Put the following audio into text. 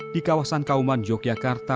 di kawasan kauman yogyakarta